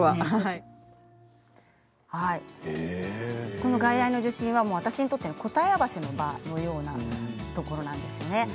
この外来の受診は私にとって答え合わせの場のようなところなんですね。